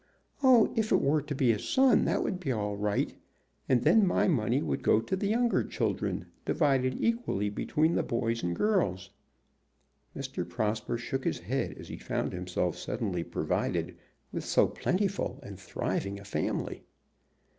"Oh, if it were to be a son, that would be all right, and then my money would go to the younger children, divided equally between the boys and girls." Mr. Prosper shook his head as he found himself suddenly provided with so plentiful and thriving a family.